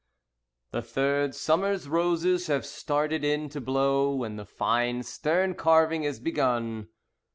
The third Summer's roses have started in to blow, When the fine stern carving is begun.